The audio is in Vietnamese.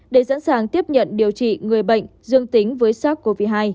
để sẵn sàng tiếp nhận điều trị người bệnh dương tính với sars cov hai